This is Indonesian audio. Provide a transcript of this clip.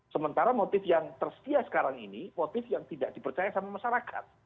sementara motif yang tersedia sekarang ini motif yang tidak dipercaya sama masyarakat